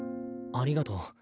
ありがとう。